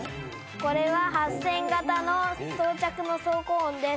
これは８０００形の到着の走行音です